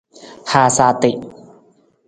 Haasa ati.